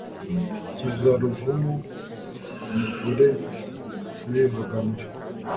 nkiza ruvumu muvure turivuganira